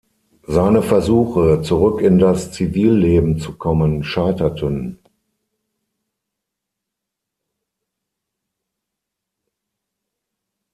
Seine Versuche, zurück in das Zivilleben zu kommen, scheiterten.